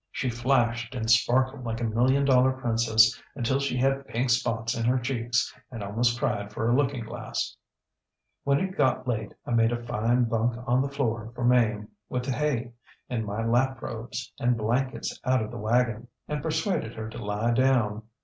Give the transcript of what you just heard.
She flashed and sparkled like a million dollar princess until she had pink spots in her cheeks and almost cried for a looking glass. ŌĆ£When it got late I made a fine bunk on the floor for Mame with the hay and my lap robes and blankets out of the wagon, and persuaded her to lie down.